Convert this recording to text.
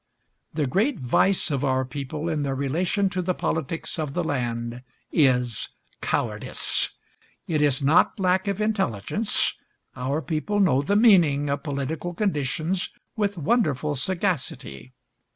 ... The great vice of our people in their relation to the politics of the land is cowardice. It is not lack of intelligence: our people know the meaning of political conditions with wonderful sagacity.